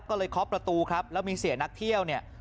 ก็เลยเคาะประตูครับแล้วมีเสียนักเที่ยวเนี่ย